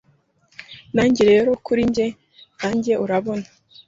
Nanjye rero kuri njye nanjye Urabona